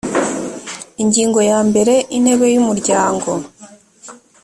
ingingo ya mbere intebe y umuryango